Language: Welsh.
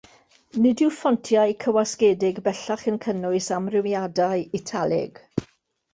Nid yw ffontiau cywasgedig bellach yn cynnwys amrywiadau italig.